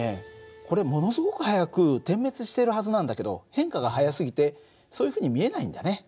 これものすごく速く点滅しているはずなんだけど変化が速すぎてそういうふうに見えないんだね。